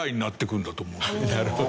なるほど。